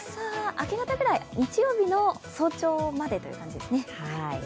明け方くらい、日曜日の早朝までという感じですね。